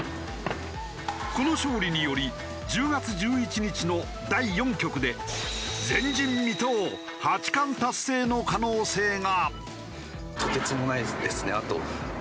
この勝利により１０月１１日の第４局で前人未到八冠達成の可能性が！